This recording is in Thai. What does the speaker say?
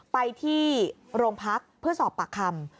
ไปที่โรงพักเพื่อสอบปากคำ